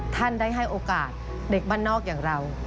ท่านได้ให้โอกาสเด็กบ้านนอกอย่างเรา